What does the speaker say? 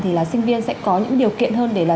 thì là sinh viên sẽ có những điều kiện hơn để là